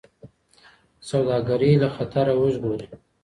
سوداګري له خطره وژغوري.